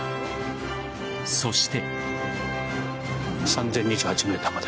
そして。